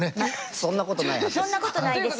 そんなことないはずです。